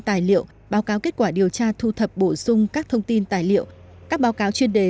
tài liệu báo cáo kết quả điều tra thu thập bổ sung các thông tin tài liệu các báo cáo chuyên đề